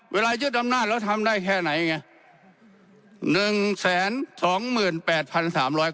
เวลาจะดำนาจแล้วทำได้แค่ไหนไง